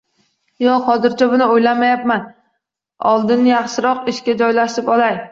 Yo`q, hozircha buni o`ylamayapman, oldin yaxshiroq ishga joylashib olay